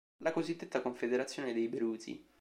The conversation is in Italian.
La cosiddetta confederazione dei Bruzi.